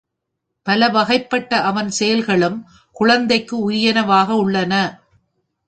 பல வகைப்பட்ட அவன் செயல்களும் குழந்தைக்கு உரியனவாக உள்ளன.